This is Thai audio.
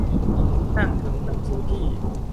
อ้างถึงหนังสือที่